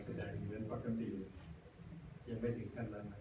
คำเตรียมภาพบำรับยังไม่สามารถเดินทางประดิษฐ์